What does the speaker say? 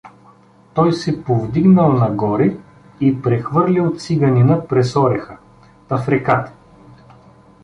Той се повдигнал нагоре и прехвърлил циганина през ореха, та в реката.